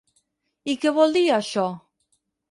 I què vol dir, això?